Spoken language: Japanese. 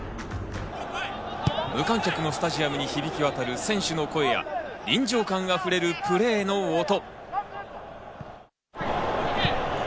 無観客のスタジアムに響き渡る選手の声や臨場感溢れるプレーの音。